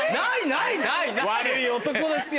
悪い男ですよ